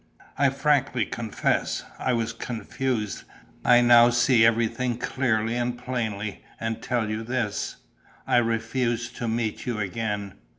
I frankly confess, I was confused. I now see everything clearly and plainly and I tell you this: I refuse to meet you again.